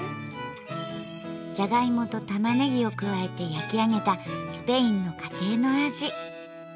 ジャガイモとタマネギを加えて焼き上げたスペインの家庭の味。